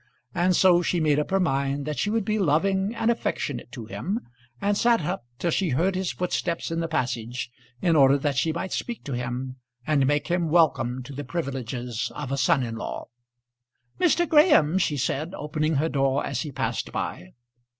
And so she made up her mind that she would be loving and affectionate to him, and sat up till she heard his footsteps in the passage, in order that she might speak to him, and make him welcome to the privileges of a son in law. "Mr. Graham," she said, opening her door as he passed by.